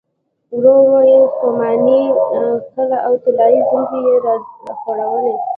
ورو ورو يې ستوماني کښله او طلايې زلفې يې راخورولې.